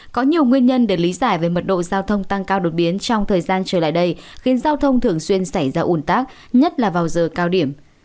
có nhiều nguyên nhân để lý giải về mật độ giao thông tăng cao đột biến trong thời gian trở lại đây khiến giao thông thường xuyên xảy ra ủn tắc nhất là vào giờ cao điểm